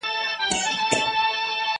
شپه په ورو ورو پخېدلای.!